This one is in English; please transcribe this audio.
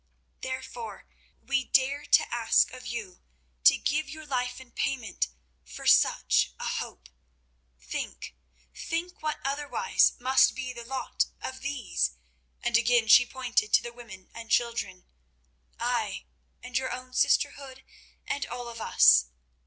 Therefore we dare to ask of you to give your life in payment for such a hope. Think, think what otherwise must be the lot of these"—and again she pointed to the women and children—"ay, and your own sisterhood and of all of us.